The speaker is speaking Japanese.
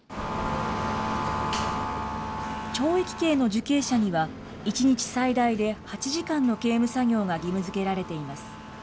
懲役刑の受刑者には、１日最大で８時間の刑務作業が義務づけられています。